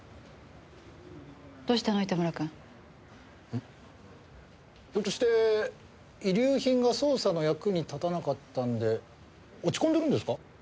フひょっとして遺留品が捜査の役に立たなかったんで落ち込んでるんですか？